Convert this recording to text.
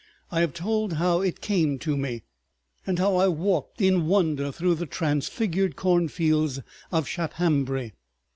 I have told how it came to me, and how I walked in wonder through the transfigured cornfields of Shaphambury.